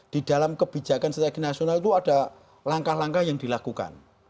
di dalam kebijakan strategi nasional itu ada langkah langkah yang dilakukan